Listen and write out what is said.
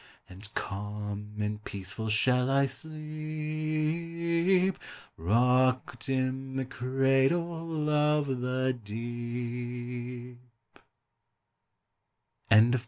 And calm and peaceful shall I sleep, Rocked in the cradle of the deep.